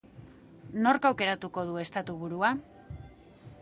Nork aukeratuko du estatuburua?